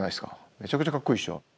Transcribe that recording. めちゃくちゃかっこいいでしょう？